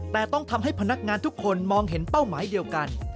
แต่ต้องทำให้พนักงานทุกคนมองเห็นเป้าหมายเดียวกัน